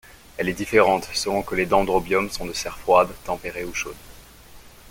Elle est différente selon que les dendrobium sont de serre froide, tempérée ou chaude.